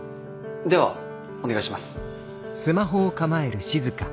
ではお願いします。